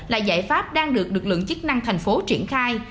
là giải pháp đang được lực lượng chức năng thành phố triển khai